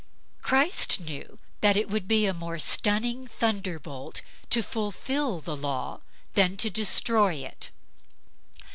Christ knew that it would be a more stunning thunderbolt to fulfil the law than to destroy it.